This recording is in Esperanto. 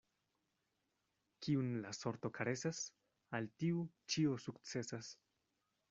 Kiun la sorto karesas, al tiu ĉio sukcesas.